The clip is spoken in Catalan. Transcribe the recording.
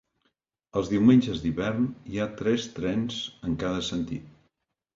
Els diumenges d'hivern hi ha tres trens en cada sentit.